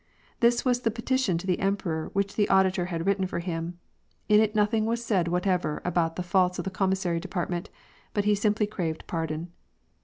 This was the petition to the emperor, which the auditor had written for him ; in it nothing was said whatever about the faults of the commissary department, but he simply craved pardon.